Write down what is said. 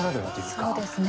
そうですね。